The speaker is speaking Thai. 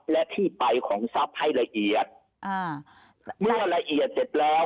และที่ไปของทรัพย์ให้ละเอียดอ่าเมื่อละเอียดเสร็จแล้ว